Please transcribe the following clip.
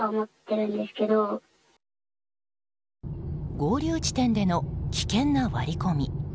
合流地点での危険な割り込み。